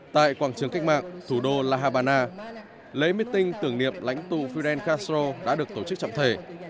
tại quảng trường cách mạng thủ đô la habana lễ meeting tưởng niệm lãnh tụ fidel castro đã được tổ chức trọng thể